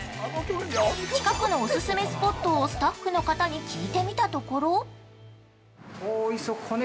近くのオススメスポットをスタッフの方に聞いてみたところ。